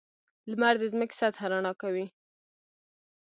• لمر د ځمکې سطحه رڼا کوي.